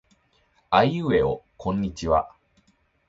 あいうえおこんにちは。